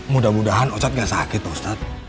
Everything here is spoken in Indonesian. mudah mudahan ustadz nggak sakit pak ustadz